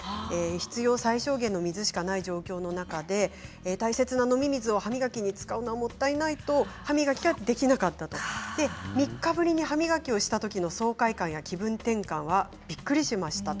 必要最小限の水しかない状況の中で大切な飲み水を歯磨きに使うのはもったいないと歯磨きができなかったと３日ぶりに歯磨きをしたときの爽快感や気分転換はびっくりしました。